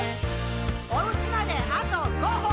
「おうちまであと５歩！」